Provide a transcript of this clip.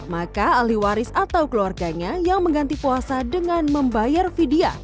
maka ahli waris atau keluarganya yang mengganti puasa dengan membayar vidya